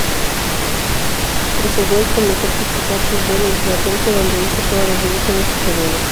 Trezeguet comenzó a practicar fútbol en Platense donde hizo todas las divisiones inferiores.